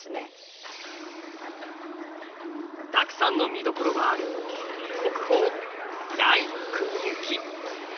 たくさんのみどころがある国宝「来国行」。